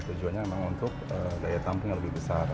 tujuannya memang untuk daya tampung yang lebih besar